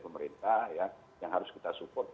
pemerintah yang harus kita support